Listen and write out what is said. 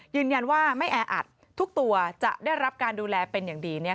ยืนยันว่าไม่แออัดทุกตัวจะได้รับการดูแลเป็นอย่างดี